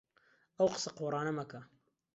ئەو قسە قۆڕانە مەکە.